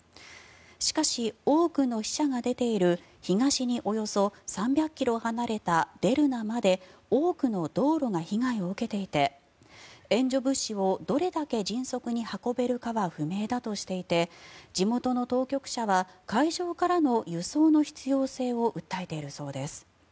しかし、多くの死者が出ている東におよそ３００ｋｍ離れたデルナまで多くの道路が被害を受けていて援助物資をどれだけ迅速に運べるかは不明だとしていて地元の当局者は海上からの輸送の必要性を訴えているそうです。